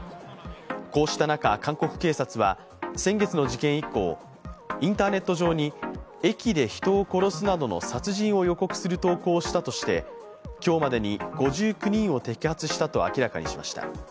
こうした中、韓国警察は先月の事件以降インターネット上に駅で人を殺すなどの殺人を予告する投稿をしたとして今日までに５９人を摘発したと明らかにしました。